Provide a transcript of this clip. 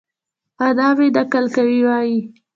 انا مې؛ نکل کوي وايي؛